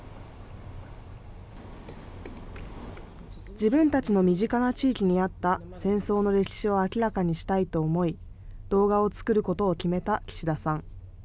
自分たちの身近な地域にあった戦争の歴史を明らかにしたいと思い、動画を作ることを決めた岸田さん。